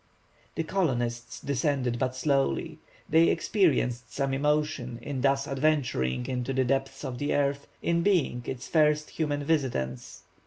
The colonists descended but slowly. They experienced some emotion in thus adventuring into the depths of the earth, in being its first human visitants.